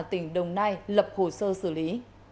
tỉnh đồng nai lập hồ sơ xử lý